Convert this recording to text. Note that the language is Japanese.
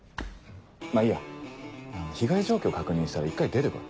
まぁいいや被害状況を確認したら一回出て来い。